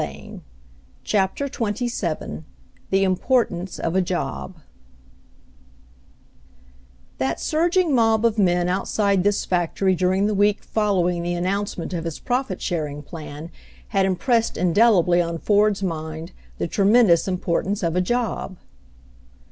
» i CHAPTER XXVII THE IMPORTANCE OF A JOB r ^ That surging mob of men outside this factory during the week following the announcement of his profit sharing plan had impressed indelibly on Ford's mind the tremendous importance of a job.